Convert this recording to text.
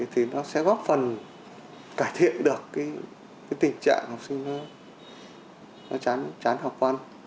thì nó sẽ góp phần cải thiện được cái tình trạng học sinh nó chán học văn